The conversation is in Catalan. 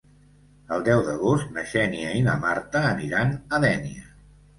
El deu d'agost na Xènia i na Marta aniran a Dénia.